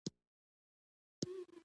مضمون یې د لنډیو په څېر غني دی.